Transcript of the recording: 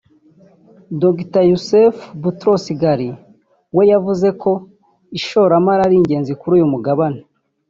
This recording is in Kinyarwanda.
Dr Youssef Boutros Ghali we yavuze ko ishoramari ari ingenzi kuri uyu mugabane